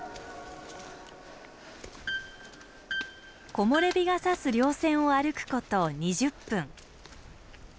木漏れ日がさす稜線を歩くこと２０分。